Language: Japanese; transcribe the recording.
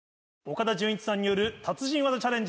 岡田准一さんによる達人技チャレンジ。